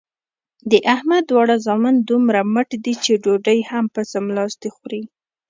د احمد دواړه زامن دومره مټ دي چې ډوډۍ هم په څملاستې خوري.